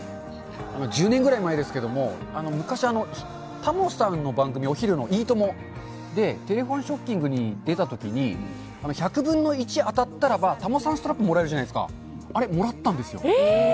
１０年ぐらい前ですけども、昔、タモリさんの番組、いいとも！でテレホンショッキングに出たときに、１００分の１当たったらば、タモさんストラップもらえるじゃないですか、あれ、もらったんですよ。